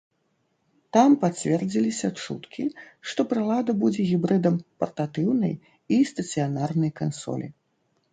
Там пацвердзіліся чуткі, што прылада будзе гібрыдам партатыўнай і стацыянарнай кансолі.